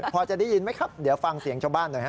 พอจะได้ยินไหมครับเดี๋ยวฟังเสียงชาวบ้านหน่อยฮ